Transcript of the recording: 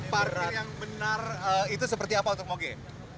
partai yang benar itu seperti apa untuk moge